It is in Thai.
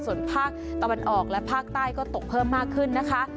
ส่วนภาคตะวันออกและภาคใต้ก็ตกเพิ่มมากขึ้นนะคะ